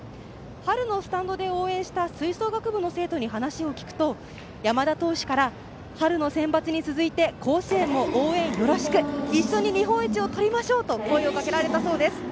春のスタンドで応援した吹奏楽部の生徒に話を聞くと山田投手から春のセンバツに続いて甲子園も応援よろしく一緒に日本一をとりましょうと声をかけられたということです。